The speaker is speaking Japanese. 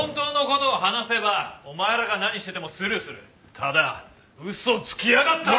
ただ嘘つきやがったら。